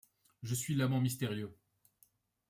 Je suis l'amant mystérieux